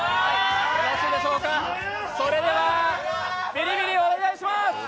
それでは、ビリビリお願いします！